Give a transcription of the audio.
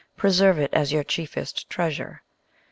Preserve it as your chiefest treasure.